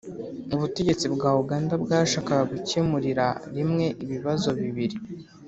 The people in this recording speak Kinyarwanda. ubutegetsi bwa uganda bwashakaga gukemurira rimwe ibibazo bibiri